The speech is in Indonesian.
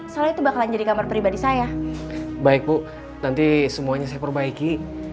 soalnya itu bakalan jadi kamar pribadi saya baik bu nanti semuanya saya perbaiki